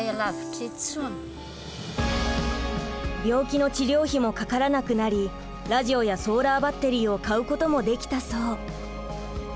病気の治療費もかからなくなりラジオやソーラーバッテリーを買うこともできたそう。